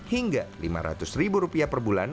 hingga rp lima ratus per bulan